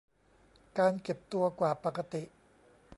การเก็บตัวกว่าปกติ